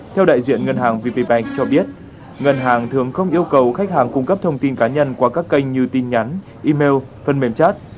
theo đại diện ngân hàng vp bank cho biết ngân hàng thường không yêu cầu khách hàng cung cấp thông tin cá nhân qua các kênh như tin nhắn email phần mềm chat